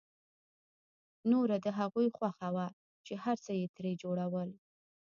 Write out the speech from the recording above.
نوره د هغوی خوښه وه چې هر څه يې ترې جوړول.